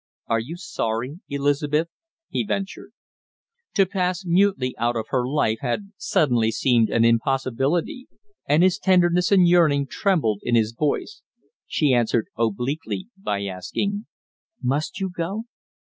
"Are you sorry, Elizabeth?" he ventured. To pass mutely out of her life had suddenly seemed an impossibility, and his tenderness and yearning trembled in his voice. She answered obliquely, by asking: "Must you go?"